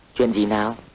chuyện gì nào